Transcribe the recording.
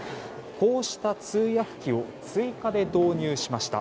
こうした通訳機を追加で導入しました。